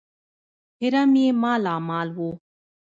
حرم یې مالامال وو.